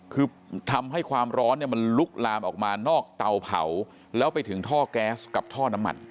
คือทำให้ความร้อนเนี่ยมันลุกลามออกมานอกเตาเผาแล้วไปถึงท่อแก๊สกับท่อน้ำมัน